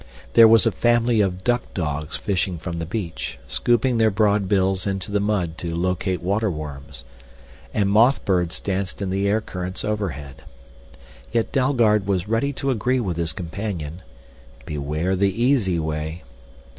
There was a family of duck dogs fishing from the beach, scooping their broad bills into the mud to locate water worms. And moth birds danced in the air currents overhead. Yet Dalgard was ready to agree with his companion beware the easy way.